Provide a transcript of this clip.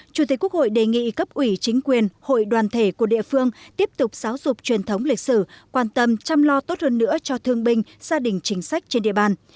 chủ tịch quốc hội đề nghị cấp ủy chính quyền hội đoàn thể của địa phương tiếp tục giáo dục truyền thống lịch sử quan tâm chăm lo tốt hơn nữa cho thương binh gia đình chính sách trên địa bàn